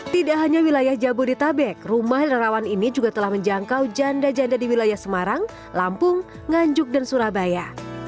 tidak hanya wilayah jabodetabek rumah relawan ini juga telah menjangkau janda janda di wilayah semarang lampung nganjuk dan surabaya